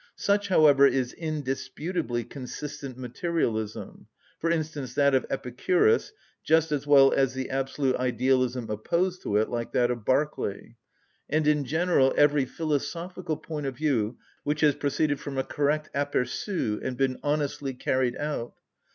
Such, however, is, indisputably, consistent materialism; for instance, that of Epicurus, just as well as the absolute idealism opposed to it, like that of Berkeley, and in general every philosophical point of view which has proceeded from a correct apperçu, and been honestly carried out.